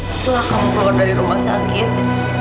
setelah kamu keluar dari rumah sakit